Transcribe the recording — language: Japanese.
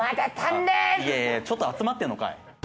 いやちょっと集まってんのかい。